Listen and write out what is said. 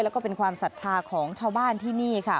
แล้วก็เป็นความศรัทธาของชาวบ้านที่นี่ค่ะ